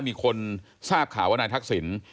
มีคนทราบข่าวว่านายทักษิณ